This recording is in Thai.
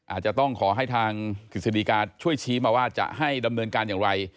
อาจจะต้องขอให้ทางกฤษฎีกาช่วยชี้มาว่าจะให้ดำเนินการอย่างไร